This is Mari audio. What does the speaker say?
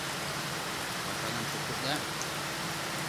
Пашадам шуктышда?